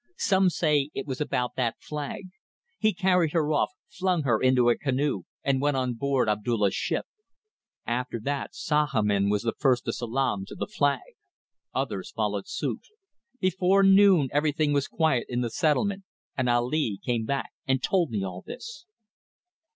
Some say it was about that flag. He carried her off, flung her into a canoe, and went on board Abdulla's ship. After that Sahamin was the first to salaam to the flag. Others followed suit. Before noon everything was quiet in the settlement, and Ali came back and told me all this."